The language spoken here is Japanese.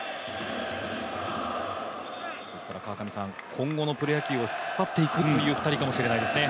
今後のプロ野球を引っ張っていく２人かもしれないですね。